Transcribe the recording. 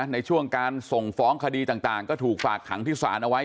ในช่วงการส่งฟ้องคดีต่างก็ถูกฝากขังที่ศาลเอาไว้